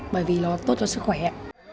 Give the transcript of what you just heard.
bởi vì nó tốt cho sức khỏe